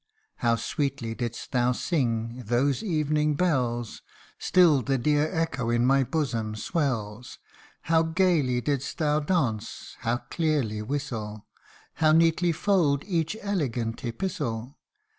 How sweetly didst thou sing " Those Evening Bells" Still the dear echo in my bosom swells : How gaily didst thou dance, how clearly whistle ! How neatly fold each elegant epistle